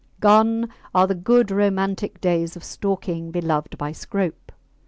Gone are the good romantic days of stalking beloved by Scrope.